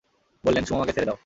বললেন, সুমামাকে ছেড়ে দাও।